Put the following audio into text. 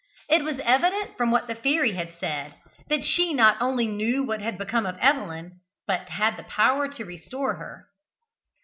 It was evident, from what the fairy had said, that she not only knew what had become of Evelyn, but had the power to restore her.